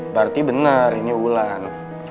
berarti bener ini wulan